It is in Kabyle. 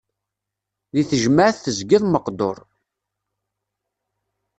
Di tejmaɛt tezgiḍ meqdur.